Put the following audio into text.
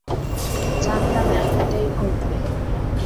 জানতাম এমনটাই ঘটবে।